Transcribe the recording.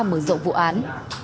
mở rộng vụ án